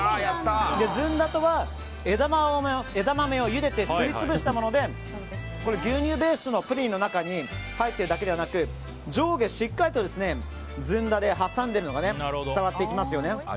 ずんだとは枝豆をゆでてすり潰したもので牛乳ベースのプリンに入っているだけじゃなくて上下しっかりと、ずんだで挟んでいるのが伝わります。